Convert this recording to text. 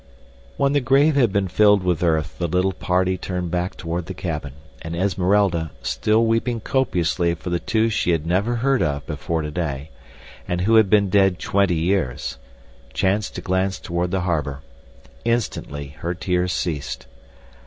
When the grave had been filled with earth the little party turned back toward the cabin, and Esmeralda, still weeping copiously for the two she had never heard of before today, and who had been dead twenty years, chanced to glance toward the harbor. Instantly her tears ceased.